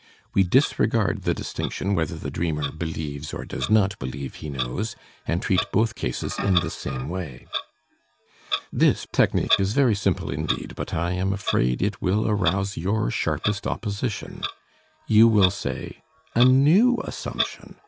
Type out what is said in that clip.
We disregard the distinction whether the dreamer believes or does not believe he knows, and treat both cases in the same way. This technique is very simple indeed, but I am afraid it will arouse your sharpest opposition. You will say, "a new assumption.